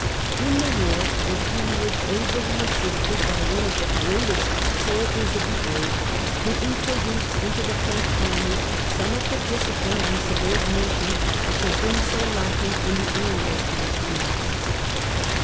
Bertrand In the war the King was ably assisted by one of the duGuesciiiig^.g^^gg^ soldiers of the age, who introduced into the French army some of the discipline and subordination which had been so lacking in the earlier campaigns.